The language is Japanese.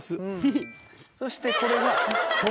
そしてこれが。